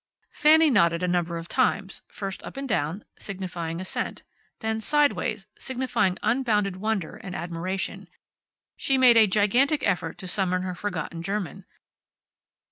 Fanny nodded a number of times, first up and down, signifying assent, then sideways, signifying unbounded wonder and admiration. She made a gigantic effort to summon her forgotten German.